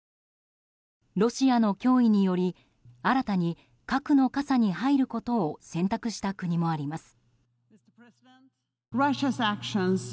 ロシアの脅威により新たに核の傘に入ることを選択した国もあります。